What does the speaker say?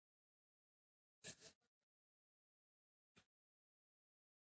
تاوتریخوالی د حل لاره نه ده.